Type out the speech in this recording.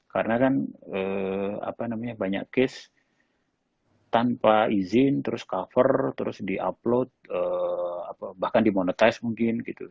karena kan apa namanya banyak case tanpa izin terus cover terus di upload bahkan di monetize mungkin gitu